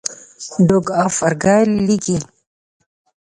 ډوک آف ارګایل لیکي.